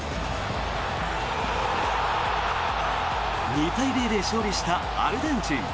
２対０で勝利したアルゼンチン。